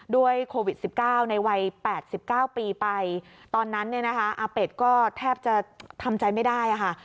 โควิด๑๙ในวัย๘๙ปีไปตอนนั้นเนี่ยนะคะอาเป็ดก็แทบจะทำใจไม่ได้ค่ะ